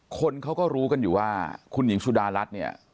คนเขาก็รู้กันอยู่ว่าคุณหญิงสุดารัฐเนี่ย